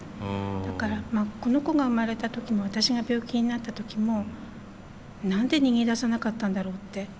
だからこの子が生まれた時も私が病気になった時も何で逃げ出さなかったんだろうって。